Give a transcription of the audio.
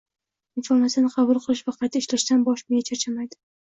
informatsiyani qabul qilish va qayta ishlashdan bosh miya charchamaydi.